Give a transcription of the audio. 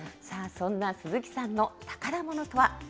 さあ、そんな鈴木さんの宝ものとは。